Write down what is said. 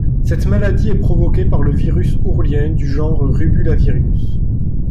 Cette maladie est provoquée par le virus ourlien, du genre rubulavirus.